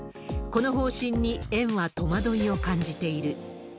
この方針に園は戸惑いを感じている。